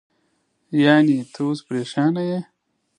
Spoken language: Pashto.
یعنې، ته اوس پرېشانه نه یې؟